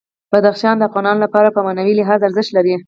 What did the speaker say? بدخشان د افغانانو لپاره په معنوي لحاظ ارزښت لري.